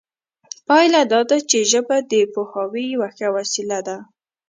پایله دا ده چې ژبه د پوهاوي یوه ښه وسیله ده